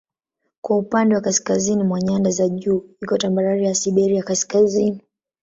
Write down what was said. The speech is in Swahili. Kwa upande wa kaskazini mwa nyanda za juu iko tambarare ya Siberia ya Kaskazini.